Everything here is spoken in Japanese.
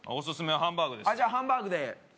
じゃあハンバーグで。